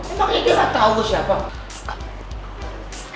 emang ini kata allah siapa